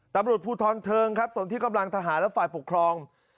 ตำรวจภูทรเทิงครับส่วนที่กำลังทหารและฝ่ายปกครอง